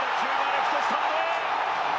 レフトスタンドへ！